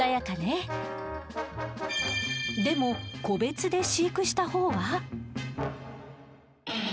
でも個別で飼育したほうは。